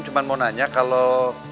cuman mau nanya kalau